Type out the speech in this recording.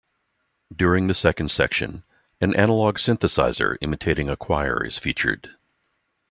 During the second section, an analog synthesizer imitating a choir is featured.